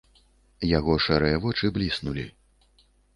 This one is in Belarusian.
Яго шэрыя вочы бліснулі.